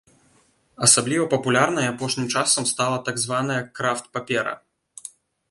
Асабліва папулярнай апошнім часам стала так званая крафт-папера.